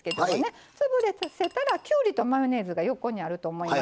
潰れたらきゅうりとマヨネーズが横にあると思います。